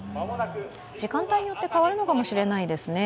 時間帯によって変わるかもしれないですね。